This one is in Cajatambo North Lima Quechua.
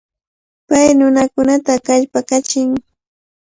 Pay nunakunata kallpakachin.